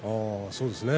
そうですね。